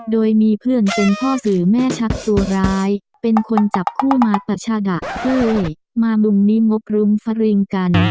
โดยมีเพื่อนเป็นพ่อสื่อแม่ชักตัวร้ายเป็นคนจับคู่มาปัชชาดะเฮ้ยมามุมนี้งบรุ้มฟริงกัน